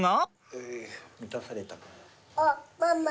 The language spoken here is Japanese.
ふう満たされた。